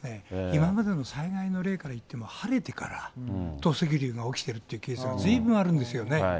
今までの災害の例からいっても、晴れてから土石流が起きてるというケースがずいぶんあるんですよね。